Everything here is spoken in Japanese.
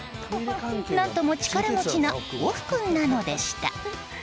何とも力持ちなオフ君なのでした。